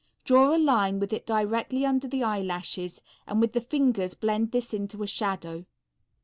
Draw a line with it directly under the eyelashes, and with the fingers blend this into a shadow.